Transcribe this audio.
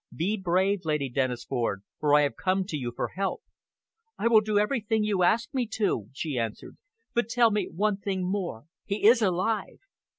Be brave, Lady Dennisford, for I have come to you for help!" "I will do everything you ask me to," she answered. "But tell me one thing more. He is alive!"